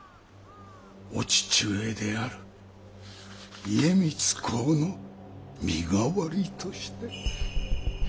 お父上である家光公の身代わりとして。